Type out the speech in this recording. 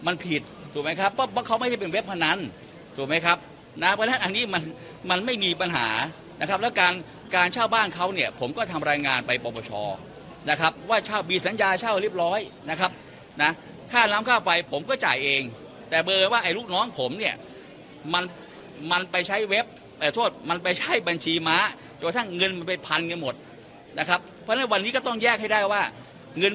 นะเพราะฉะนั้นอันนี้มันมันไม่มีปัญหานะครับแล้วการการเช่าบ้านเขาเนี้ยผมก็ทำรายงานไปปรบชอนะครับว่าเช่าบีสัญญาเช่าเรียบร้อยนะครับนะค่าน้ำค่าไฟผมก็จ่ายเองแต่เบอร์ว่าไอ้ลูกน้องผมเนี้ยมันมันไปใช้เว็บเอ่อโทษมันไปใช้บัญชีม้าจนกระทั่งเงินมันไปพันเงินหมดนะครับเพราะฉะนั้นวันน